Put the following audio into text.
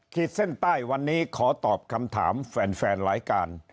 เส้นใต้วันนี้ขอตอบคำถามแฟนรายการ